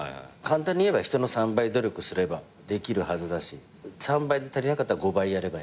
簡単に言えば人の３倍努力すればできるはずだし３倍で足りなかったら５倍やればいいっていう感じで。